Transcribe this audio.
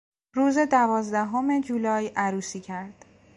روز دوازدهم جولای عروسی کرد.